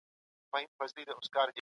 بې له قدرته د پرېکړو پلي کول سوني وو.